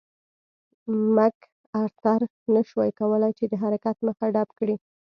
مک ارتر نه شوای کولای چې د حرکت مخه ډپ کړي.